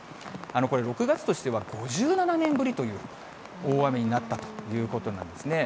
これ、６月としては５７年ぶりという大雨になったということなんですね。